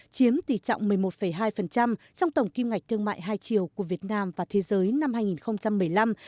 chiếm tỷ trọng một mươi một hai trong tổng kim ngạch thương mại hai triệu của việt nam và thế giới năm hai nghìn một mươi năm